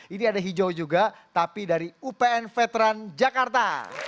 ini ada hijau juga tapi dari upn veteran jakarta